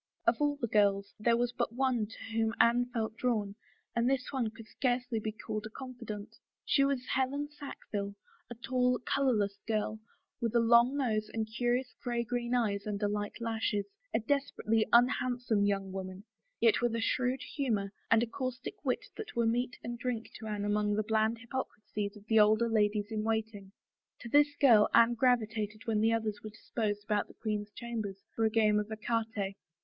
Of all the girls there was but one to whom Anne felt drawn and this one could scarcely be called a confidante. She was Helen Sackville, a tall, colorless girl, with a long nose and curious gray green eyes under light lashes, a desperately un handsome young woman, yet with a shrewd humor and a caustic wit that were meat and drink to Anne among the bland hypocrisies of the older ladies in waiting. To this girl Anne gravitated when the others were disposed about the queen's chambers for a game of ecarte.